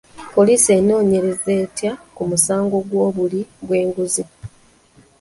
Poliisi enoonyereza etya ku musango gw'obuli bw'enguzi?